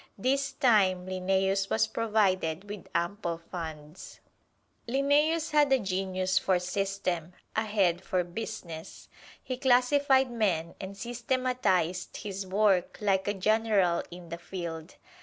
This time Linnæus was provided with ample funds. Linnæus had a genius for system a head for business. He classified men, and systematized his work like a general in the field.